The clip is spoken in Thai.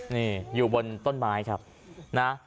นี่อยู่บนต้นไม้ครับนะ